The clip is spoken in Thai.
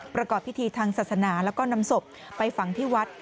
ประกอบพิธีทางศาสนาแล้วก็นำศพไปฝังที่วัด